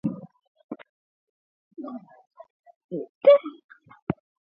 Natumai kuwa na habari hii unaweza kujifunza